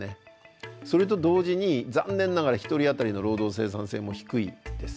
それと同時に残念ながら１人あたりの労働生産性も低いです。